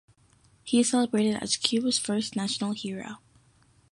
He is celebrated as "Cuba's First National Hero".